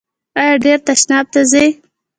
ایا ډیر تشناب ته ځئ؟